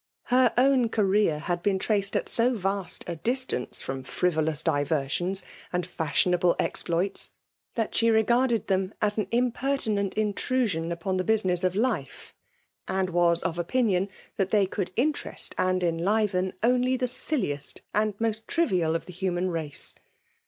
Her mm career had been ttttced at 8o VBMt a distance firom frivoIouB diversions and fashionable exploits^ that she regarded d^iem^as an impertinent intrusion upon the business of hfe ; and was of opinion, that thejr oottld interest and enliven only the silliest and most tdvial oi the human race.